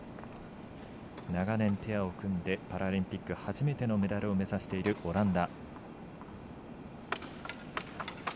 長年、ペアを組んでパラリンピック初めてのメダルを目指しているオランダ。